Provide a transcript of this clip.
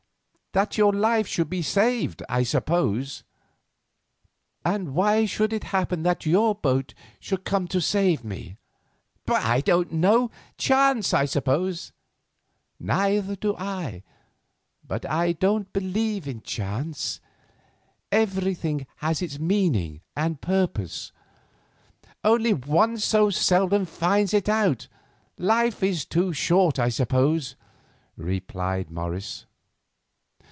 "That your life should be saved, I suppose." "And why should it happen that your boat should come to save me?" "I don't know; chance, I suppose." "Neither do I; but I don't believe in chance. Everything has its meaning and purpose." "Only one so seldom finds it out. Life is too short, I suppose," replied Morris.